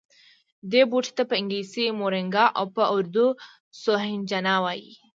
دې بوټي ته په انګلیسي مورینګا او په اردو سوهنجنا وايي